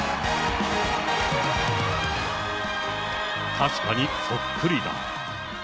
確かにそっくりだ。